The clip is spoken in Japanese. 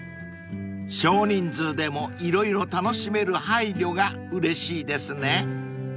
［少人数でも色々楽しめる配慮がうれしいですね］